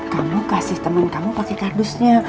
kamu kasih temen kamu pake kardusnya